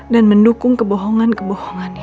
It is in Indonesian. dan mendukung kebohongan kebohongannya